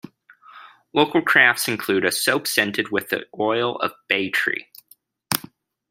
Local crafts include a soap scented with the oil of bay tree.